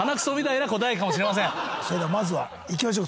それではまずはいきましょう。